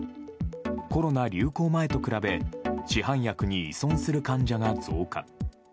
コロナ流行前と比べ、市販薬に依存する患者が増加。